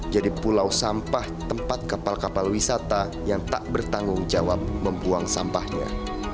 jadi pulau sampah tempat kapal kapal wisata yang tak bertanggung jawab membuang sampahnya